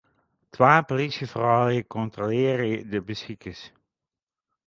Twa plysjefroulju kontrolearje de besikers.